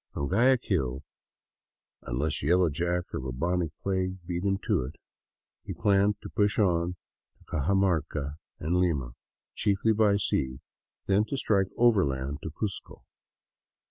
From Guayaquil, " unless Yellow Jack or Bubonic beat him to it," he planned to push on to Cajamarca and Lima, chiefly by sea, then to strike overland to Cuzco.